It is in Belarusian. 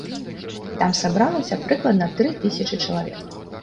Там сабралася прыкладна тры тысячы чалавек.